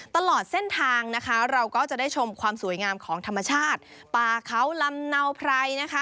ตลอดเส้นทางนะคะเราก็จะได้ชมความสวยงามของธรรมชาติป่าเขาลำเนาไพรนะคะ